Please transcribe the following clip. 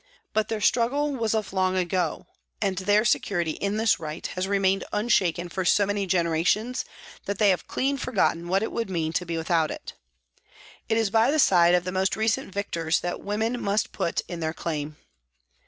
But their struggle was of long ago, their security in this right has remained unshaken for so many generations that they have clean forgotten what it would mean to be without it. It is by the side of the most recent victors that women must put in their claim.